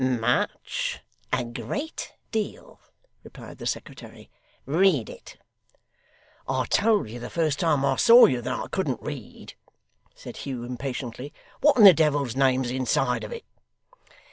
'Much. A great deal,' replied the secretary. 'Read it.' 'I told you, the first time I saw you, that I couldn't read,' said Hugh, impatiently. 'What in the Devil's name's inside of it?